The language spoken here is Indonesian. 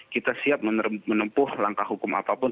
kita siap menempuh langkah hukum apapun